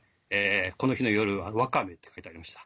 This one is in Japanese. この日の夜ワカメって書いてありました。